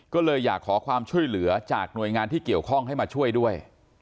ก็เลยอยากขอความช่วยเหลือจากหน่วยงานที่เกี่ยวข้องให้มาช่วยด้วย